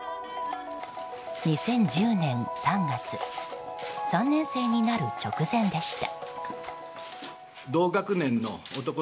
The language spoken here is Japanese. ２０１０年３月３年生になる直前でした。